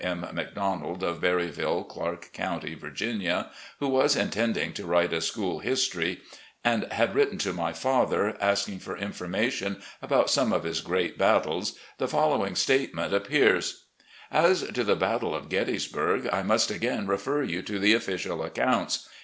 McDonald, of Berryville, Clarke Coimty, Virginia, who was intending to write a school history, and had written to my father, asking for information about some of his great battles, the following statement appears; ''As to the battle of Gettysburg, I must again refer you to the official accounts.